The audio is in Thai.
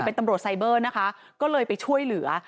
เป็นตำรวจไซเบอร์นะคะก็เลยไปช่วยเหลือ